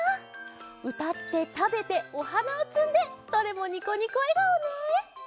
うたってたべておはなをつんでどれもニコニコえがおね！